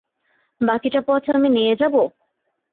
বাকিটা পথ আমি নিয়ে যাবো?